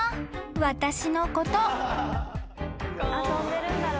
私のこと］